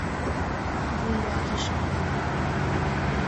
Вуйлатыше.